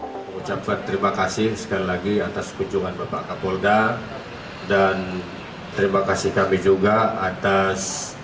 mengucapkan terima kasih sekali lagi atas kunjungan bapak kapolda dan terima kasih kami juga atas